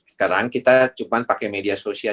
sekarang kita cuma pakai media sosial